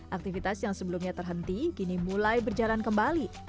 aktivitas yang sebelumnya terhenti kini mulai berjalan kembali